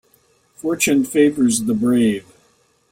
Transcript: Fortune favours the brave.